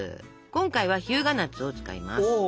今回は日向夏を使います。